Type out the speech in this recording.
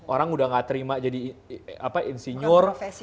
orang udah gak terima jadi insinyur